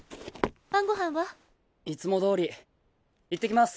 晩ご飯は？いつもどおり。いってきます！